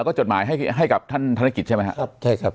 แล้วก็จดหมายให้ให้กับท่านธนกิจใช่ไหมครับใช่ครับ